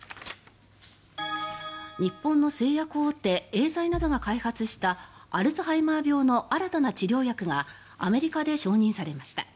日本の製薬大手エーザイなどが開発したアルツハイマー病の新たな治療薬がアメリカで承認されました。